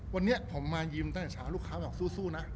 วันนี้ผมมายิ้มตั้งแต่เช้าลูกค้าบอกสู้นะ